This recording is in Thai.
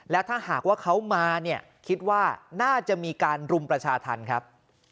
แล้วถ้าหากว่าเขามาเนี่ยคิดว่าน่าจะมีการรุมประชาธรรมครับ